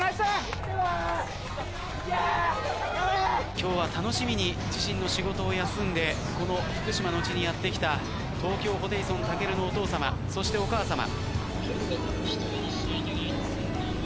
今日は楽しみに自身の仕事を休んでこの福島の地にやって来た東京ホテイソンたけるのお父さまそしてお母さま。